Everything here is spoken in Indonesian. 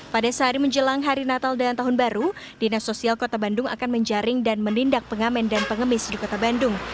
pada sehari menjelang hari natal dan tahun baru dinas sosial kota bandung akan menjaring dan menindak pengamen dan pengemis di kota bandung